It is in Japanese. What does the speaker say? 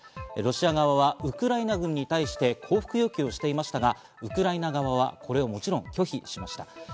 ロシア側はウクライナ軍に対して降伏要求をしていましたが、ウクライナ側はこれをもちろん拒否しました。